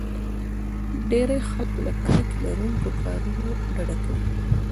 ډېری خلک له کرکې لرونکو کارونو ډډه کوي.